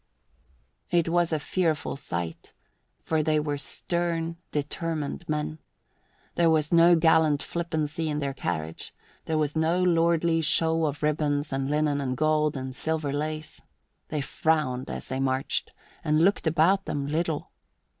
It was a fearful sight, for they were stern, determined men. There was no gallant flippancy in their carriage; there was no lordly show of ribbands and linen and gold and silver lace. They frowned as they marched, and looked about them little.